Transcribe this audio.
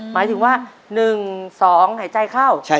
หมายถึงว่า๑๒หายใจเข้า